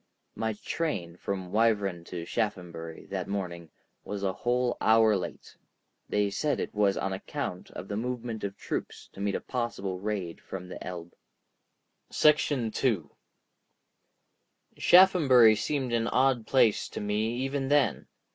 My train from Wyvern to Shaphambury that morning was a whole hour late; they said it was on account of the movement of troops to meet a possible raid from the Elbe. § 2 Shaphambury seemed an odd place to me even then.